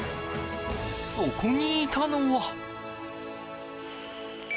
そこにいたのは。